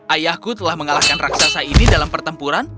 ayahku telah mengalahkan raksasa ini dalam pertempuran